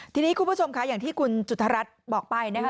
ทีนี้คุณผู้ชมค่ะอย่างที่คุณจุธรัฐบอกไปนะคะ